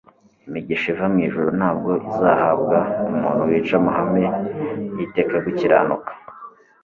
Imigisha iva mu ijuru ntabwo izahabwa umuntu wica amahame y'iteka yo gukiranuka.